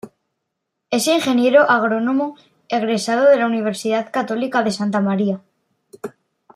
Es ingeniero agrónomo egresado de la Universidad Católica de Santa María.